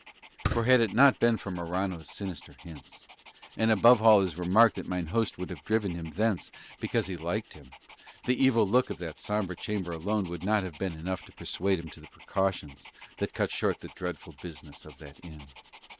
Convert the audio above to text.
For had it not been for Morano's sinister hints, and above all his remark that mine host would have driven him thence because he liked him, the evil look of the sombre chamber alone might not have been enough to persuade him to the precautions that cut short the dreadful business of that inn.